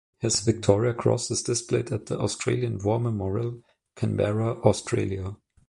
His Victoria Cross is displayed at the Australian War Memorial, Canberra, Australia.